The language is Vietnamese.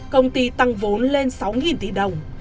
công ty tăng vốn lên sáu tỷ đồng